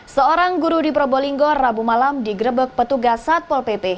seorang guru di probolinggo rabu malam digrebek petugas satpol pp